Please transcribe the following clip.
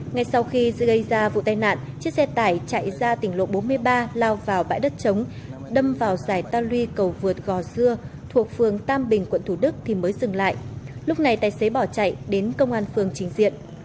ngay sau khi gây ra vụ tai nạn chiếc xe tải chạy ra tỉnh lộ bốn mươi ba lao vào bãi đất chống đâm vào giải ta luy cầu vượt gò dưa thuộc phường tam bình quận thủ đức thì mới dừng lại lúc này tài xế bỏ chạy đến công an phường trình diện